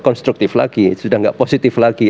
konstruktif lagi sudah tidak positif lagi